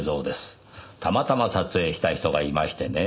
たまたま撮影した人がいましてね。